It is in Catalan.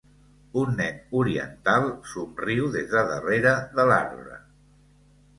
Un nen oriental somriu des de darrere de l'arbre.